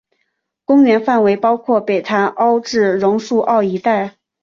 公园范围包括北潭凹至榕树澳一带。